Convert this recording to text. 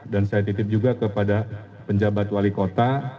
dan saya titip juga kepada penjabat wali kota